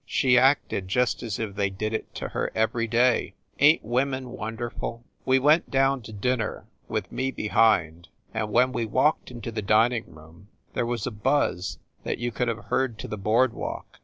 She acted just as if they did it to her every day. Ain t women won derful? We went down to dinner, with me behind, and when we walked into the dining room there was a buzz that you could have heard to the board walk.